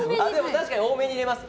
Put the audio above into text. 確かに多めに入れます。